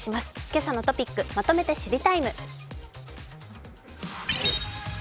「けさのトピックまとめて知りＴＩＭＥ，」。